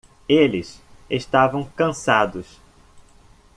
Eles estavam cansados.